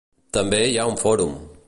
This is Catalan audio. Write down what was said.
També hi ha un fòrum.